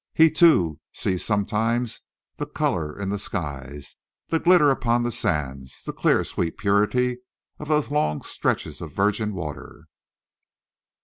He, too, sees sometimes the colour in the skies, the glitter upon the sands, the clear, sweet purity of those long stretches of virgin water.